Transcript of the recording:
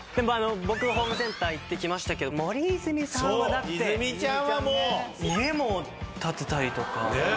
僕ホームセンター行ってきましたけど森泉さんはだって。家も建てたりとか。